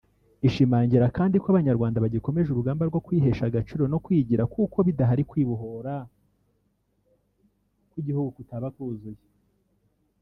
Ishimangira kandi ko abanyarwanda bagikomeje urugamba rwo kwihesha agaciro no kwigira kuko bidahari kwibohora kw’igihugu kutaba kuzuye